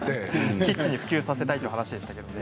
キッチンに普及させたいという話でしたけれども。